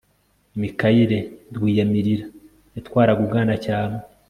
Mikayire Rwiyamirira yatwaraga Ubwanacyambwe